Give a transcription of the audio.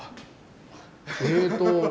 えっと